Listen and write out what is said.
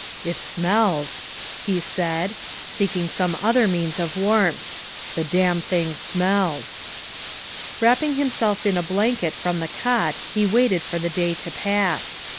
" It smells," he said, seeking some other means of warmth ;'' the damn thing smells. '' Wrapping himself in a blanket from the cot, he waited for the day to pass.